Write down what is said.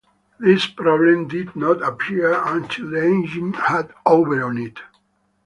This problem did not appear until the engine had over on it.